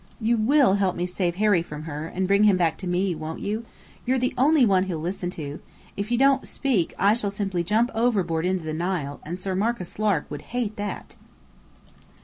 You will help me save Harry from her, and bring him back to me, won't you? You're the only one he'll listen to. If you don't speak, I shall simply jump overboard into the Nile, and Sir Marcus Lark would hate that."